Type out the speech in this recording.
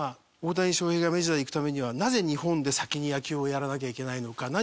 大谷翔平がメジャーに行くためにはなぜ日本で先に野球をやらなきゃいけないのか。